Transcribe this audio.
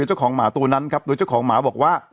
เจ้าของหมาตัวนั้นครับโดยเจ้าของหมาบอกว่า